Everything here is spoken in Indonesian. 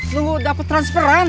nunggu dapet transferan